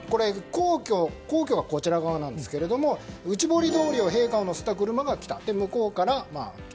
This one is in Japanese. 皇居がこちら側なんですが内堀通りを陛下を乗せた車が来た。